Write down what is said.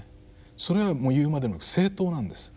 それはもう言うまでもなく政党なんです。